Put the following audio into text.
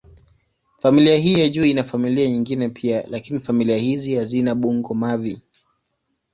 Familia hii ya juu ina familia nyingine pia, lakini familia hizi hazina bungo-mavi.